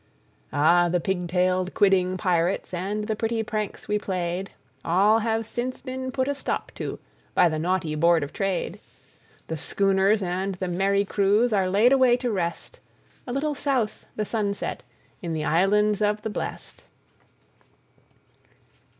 Ah! the pig tailed, quidding pirates and the pretty pranks we played, All have since been put a stop to by the naughty Board of Trade; The schooners and the merry crews are laid away to rest, A little south the sunset in the Islands of the Blest.